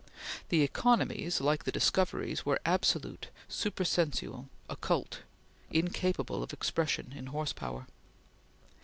The economies, like the discoveries, were absolute, supersensual, occult; incapable of expression in horse power.